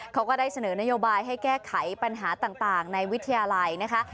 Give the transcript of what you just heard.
ก็ได้เสนอนโยบายให้แก้ไขปัญหาต่างในวิทยาลัยนะคะ